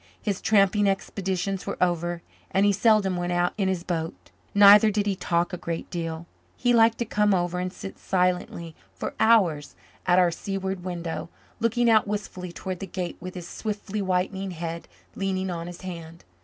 His tramping expeditions were over and he seldom went out in his boat. Neither did he talk a great deal. He liked to come over and sit silently for hours at our seaward window, looking out wistfully toward the Gate with his swiftly whitening head leaning on his hand.